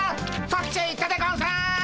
そっちへ行ったでゴンス！